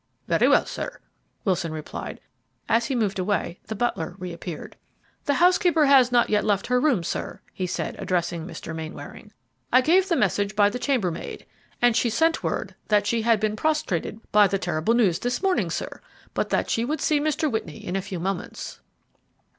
"Very well, sir," Wilson replied; as he moved away the butler reappeared. "The housekeeper has not yet left her room, sir," he said, addressing Mr. Mainwaring. "I gave the message by the chambermaid, and she sent word that she had been prostrated by the terrible news this morning, sir, but that she would see Mr. Whitney in a few moments."